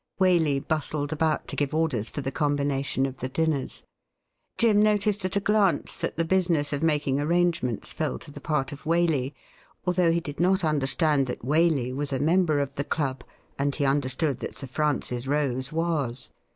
Waley bustled about to give orders for the combination of the dinners. Jim noticed at a glance that the business of making an angements fell to the pai t of Waley, although he did not understand that Waley was a member of the club, and he understood that Sir Francis Rose was.